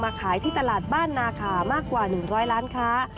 ขายที่ตลาดบ้านนาขามากกว่า๑๐๐ล้านค้า